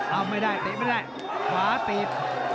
เอาไม่ได้เตะไม่ได้ขวาตีบ